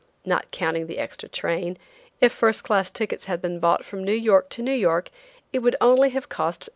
Not counting the extra train, if first class tickets had been bought from New York to New York it would only have cost $805.